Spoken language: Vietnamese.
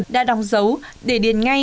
đã đóng dấu để điền ngay